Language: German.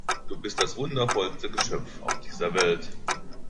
Du bist das wundervollste Geschöpf auf dieser Welt!